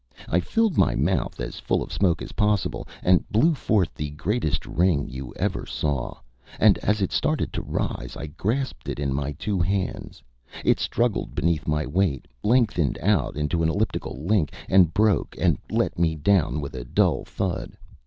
I filled my mouth as full of smoke as possible, and blew forth the greatest ring you ever saw, and as it started to rise I grasped it in my two hands. It struggled beneath my weight, lengthened out into an elliptical link, and broke, and let me down with a dull thud.